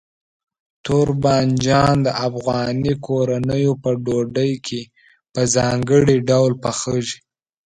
تور بانجان د افغاني کورنیو په ډوډۍ کې په ځانګړي ډول پخېږي.